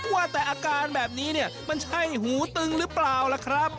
ว่าแต่อาการแบบนี้เนี่ยมันใช่หูตึงหรือเปล่าล่ะครับ